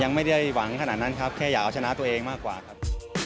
ยังไม่ได้หวังขนาดนั้นครับแค่อยากเอาชนะตัวเองมากกว่าครับ